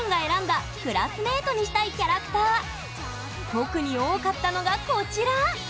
特に多かったのがこちら！